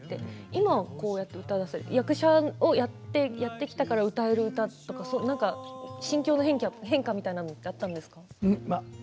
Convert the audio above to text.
今はこうやって歌で役者をやってきたから歌える歌とか心境の変化みたいなものって、あったんですか。